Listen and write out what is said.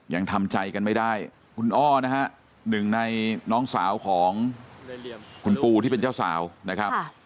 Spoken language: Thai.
ยังทำใจกันไม่ได้คุณอ้อนะฮะหนึ่งในน้องสาวของคุณปูที่เป็นเจ้าสาวนะครับ